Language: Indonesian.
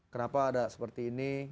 kenapa ada seperti ini